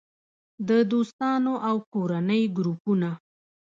- د دوستانو او کورنۍ ګروپونه